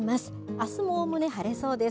あすも、おおむね晴れそうです。